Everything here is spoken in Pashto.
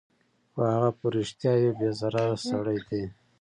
خو هغه په رښتیا یو بې ضرره سړی دی